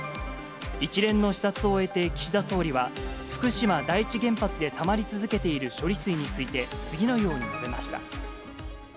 一連の視察を終えて岸田総理は、福島第一原発でたまり続けている処理水について、次のように述べました。